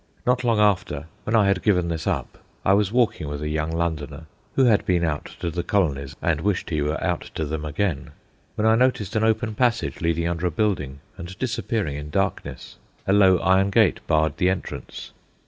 Not long after, when I had given this up, I was walking with a young Londoner (who had been out to the colonies and wished he were out to them again), when I noticed an open passage leading under a building and disappearing in darkness. A low iron gate barred the entrance.